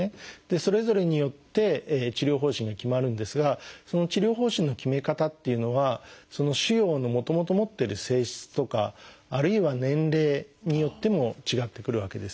それぞれによって治療方針が決まるんですがその治療方針の決め方っていうのはその腫瘍のもともと持ってる性質とかあるいは年齢によっても違ってくるわけです。